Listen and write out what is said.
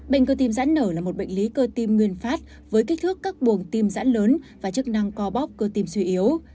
bệnh cơ tim giãn nở là một bệnh lý cơ tim nguyên phát với kích thước các buồng tim giãn lớn và chức năng co bóp cơ tim suy yếu